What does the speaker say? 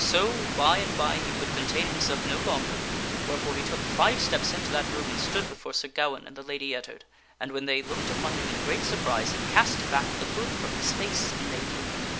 So, by and by, he could contain himself no longer, wherefore he took five steps into that room and stood before Sir Gawaine and the Lady Ettard. And, when they looked upon him in great surprise, he cast back the hood from his face and they knew him.